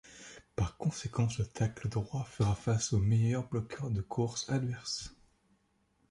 Par conséquence, le tackle droit fera face aux meilleurs bloqueurs de course adverses.